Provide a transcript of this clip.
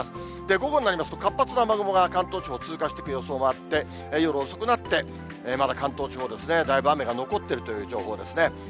午後になりますと、活発な雨雲が関東地方通過していく予想もあって、夜遅くなって、まだ関東地方ですね、だいぶ雨が残っているという状況ですね。